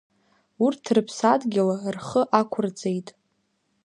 Урҭ рыԥсадгьыл рхы акәырҵеит.